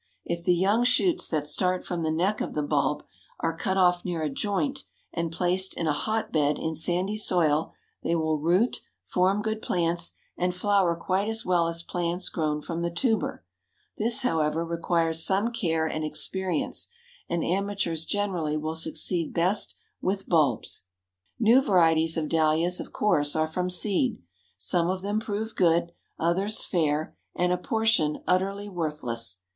If the young shoots that start from the neck of the bulb, are cut off near a joint and placed in a hot bed in sandy soil, they will root, form good plants, and flower quite as well as plants grown from the tuber; this, however, requires some care and experience, and amateurs generally will succeed best with bulbs. New varieties of Dahlias, of course, are from seed. Some of them prove good, others fair, and a portion utterly worthless.